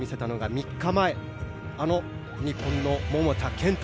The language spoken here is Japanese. ３日前、あの日本の桃田賢斗